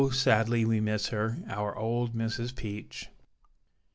sadly we miss her, our Old Mrs. Peach.